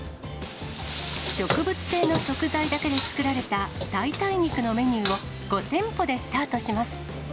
植物性の食材だけで作られた代替肉のメニューを、５店舗でスタートします。